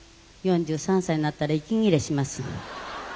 ４３歳になったら息切れします」。